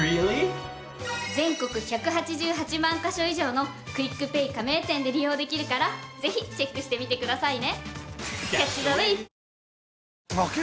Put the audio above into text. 全国１８８万カ所以上のＱＵＩＣＰａｙ加盟店で利用できるからぜひチェックしてみてくださいね。